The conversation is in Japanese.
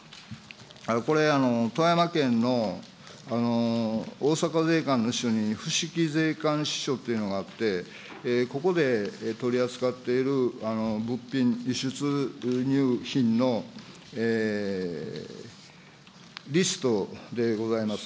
これ、富山県の大阪税関の支所にふしき税関支署っていうのがあって、ここで取り扱っている物品、輸出入品のリストでございます。